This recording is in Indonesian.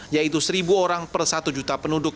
yaitu seribu orang per satu juta penduduk